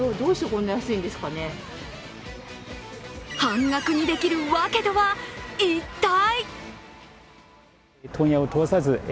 半額にできるわけとは一体？